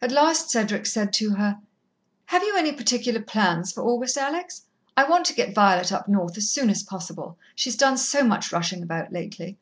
At last Cedric said to her: "Have you any particular plans for August, Alex? I want to get Violet up north as soon as possible, she's done so much rushing about lately.